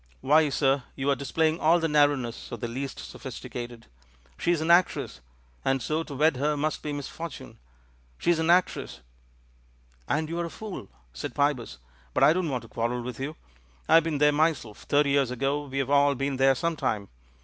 Why, sir, you are displaying all the narrowness of the least sophis ticated. She is an actress — and so to wed her must be misfortune! She is an actress " "And you're a fool," said Pybus. "But I don't want to quarrel with you — I've been there myself — thirty years ago — we've all been there some time.